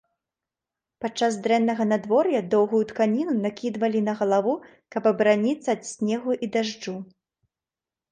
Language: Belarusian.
Падчас дрэннага надвор'я доўгую тканіну накідвалі на галаву, каб абараніцца ад снегу і дажджу.